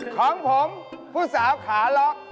ของผมผู้สาวขาล็อก